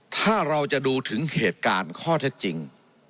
ถ้าเราจะดูถึงเหตุการณ์ข้อเท็จจริง